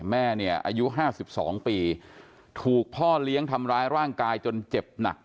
แม่เนี่ยอายุ๕๒ปีถูกพ่อเลี้ยงทำร้ายร่างกายจนเจ็บหนัก